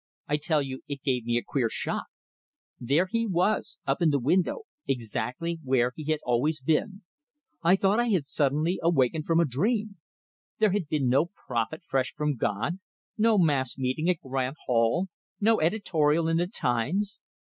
I tell you, it gave me a queer shock. There he was, up in the window, exactly where he had always been; I thought I had suddenly wakened from a dream. There had been no "prophet fresh from God," no mass meeting at Grant Hall, no editorial in the "Times"!